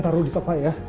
bisa taruh di toko ya